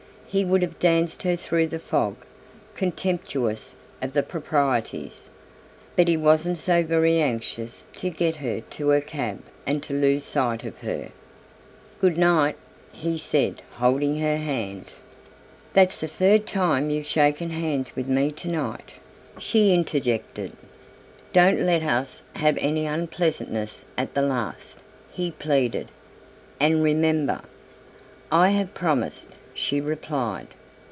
He would have danced her through the fog, contemptuous of the proprieties, but he wasn't so very anxious to get her to her cab and to lose sight of her. "Good night," he said, holding her hand. "That's the third time you've shaken hands with me to night," she interjected. "Don't let us have any unpleasantness at the last," he pleaded, "and remember." "I have promised," she replied.